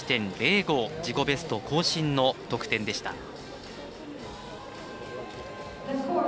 自己ベスト更新の得点でした。